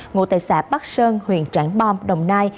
ngụ tại xã bắc sơn huyện trảng bom đồng nai